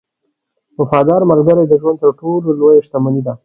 • وفادار ملګری د ژوند تر ټولو لوی شتمنۍ ده.